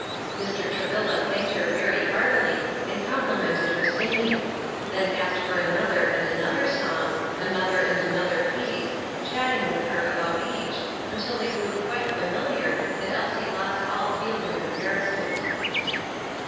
Mr. Travilla thanked her very heartily, and complimented her singing; then asked for another and another song, another and another piece, chatting with her about each, until they grew quite familiar, and Elsie lost all feeling of embarrassment.